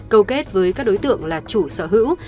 câu kết với các đối tượng là chủ sở hữu